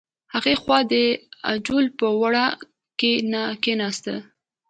هغې خوا د غوجل په وره کې کیناست.